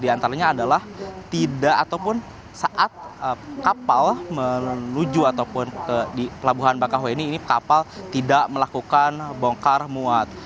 di antaranya adalah saat kapal menuju ke pelabuhan bakahwe ini kapal tidak melakukan bongkar muat